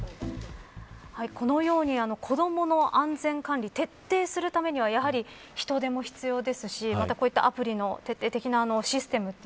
このように、子どもの安全管理徹底するためには人手も必要ですしこういったアプリの徹底的なシステム